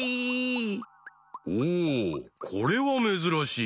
おおこれはめずらしい。